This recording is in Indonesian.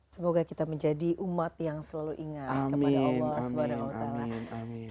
semoga kita menjadi umat yang selalu ingat kepada allah swt